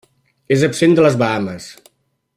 És absent de les Bahames.